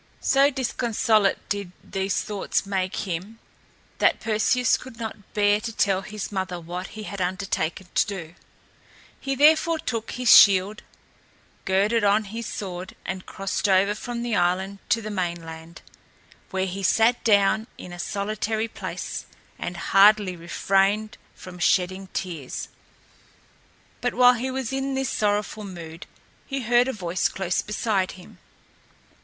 So disconsolate did these thoughts make him that Perseus could not bear to tell his mother what he had undertaken to do. He therefore took his shield, girded on his sword and crossed over from the island to the mainland, where he sat down in a solitary place and hardly refrained from shedding tears. But while he was in this sorrowful mood, he heard a voice close beside him.